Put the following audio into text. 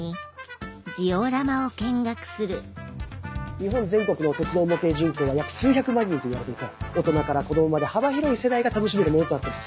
日本全国の鉄道模型人口は約数百万人といわれていて大人から子供まで幅広い世代が楽しめるものとなってます。